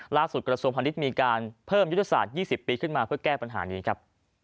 กระทรวงพาณิชย์มีการเพิ่มยุทธศาสตร์๒๐ปีขึ้นมาเพื่อแก้ปัญหานี้ครับ